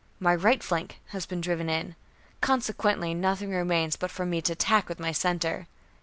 My right flank has been driven in. Consequently nothing remains but for me to attack with my center."